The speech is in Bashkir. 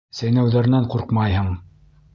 Сәйнәүҙәренән ҡурҡмайһың!